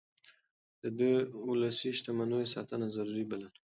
ده د ولسي شتمنيو ساتنه ضروري بلله.